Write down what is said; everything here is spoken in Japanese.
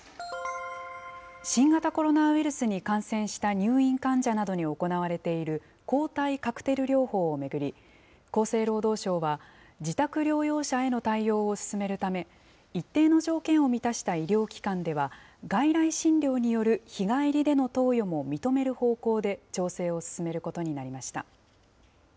新型コロナウイルスに感染した入院患者などに行われている、抗体カクテル療法を巡り、厚生労働省は、自宅療養者への対応を進めるため、一定の条件を満たした医療機関では、外来診療による日帰りでの投与も認める方向で調整を進めることになりました。